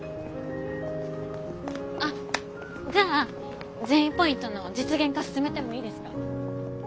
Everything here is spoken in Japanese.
あじゃあ善意ポイントの実現化進めてもいいですか？